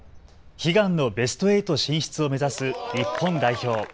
悲願のベスト８進出を目指す日本代表。